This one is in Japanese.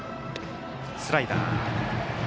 スライダー。